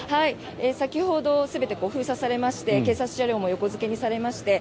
先ほど、全て封鎖されまして警察車両も横付けされまして